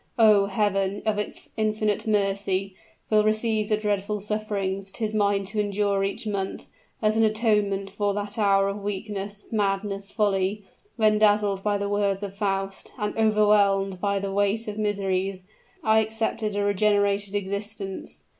Oh! Heaven, of its infinite mercy, will receive the dreadful sufferings 'tis mine to endure each month, as an atonement for that hour of weakness, madness, folly, when dazzled by the words of Faust, and overwhelmed by a weight of miseries, I accepted a regenerated existence.